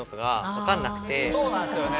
そうなんすよね